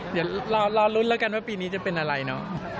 เดี๋ยวรอลุ้นแล้วกันว่าปีนี้จะเป็นอะไรเนาะ